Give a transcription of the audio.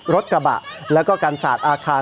รถกระบะแล้วก็กันศาสตร์อาคาร